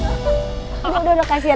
udah udah kasian rumahnya kasian